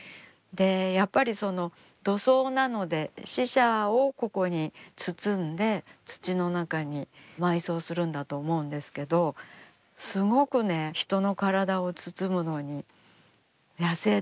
やっぱり土葬なので死者をここに包んで土の中に埋葬するんだと思うんですけどすごくね人の体を包むのに野性的な。